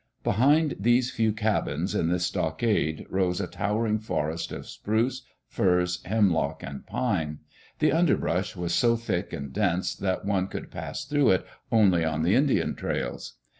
Behind these few cabins in this stockade rose a towering forest of spruce, firs, hemlock, and pine. The underbrush was so thick and dense that one could pass through it only on the Indian trails.